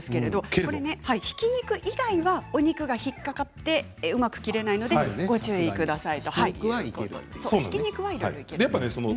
ひき肉以外はお肉が引っ掛かってうまく切れないのでご注意ください。